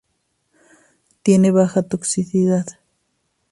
Tiene baja toxicidad.